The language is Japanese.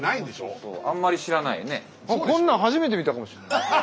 こんなん初めて見たかもしんない。